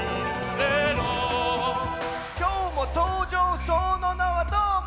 「今日も登場その名はどーも」